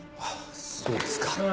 そうですか。